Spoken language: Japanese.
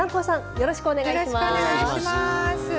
よろしくお願いします。